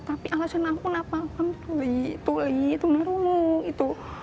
tapi alasan aku gak paham tuli tuli itu naruh itu